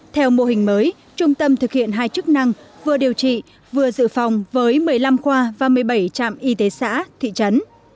theo mô hình mới trung tâm thực hiện hai chức năng vừa điều trị vừa dự phòng với một mươi năm khoa và một mươi bảy trạm y tế xã thị trấn